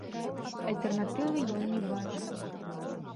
Альтэрнатывы ён не бачыць.